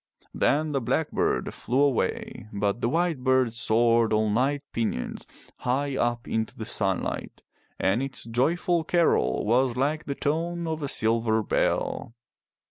Then the blackbird flew away but the white bird soared on light pinions high up into the sunlight and its joyful carol was like the tone of a silver bell.